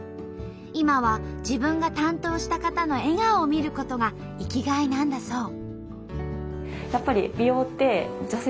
今は自分が担当した方の笑顔を見ることが生きがいなんだそう。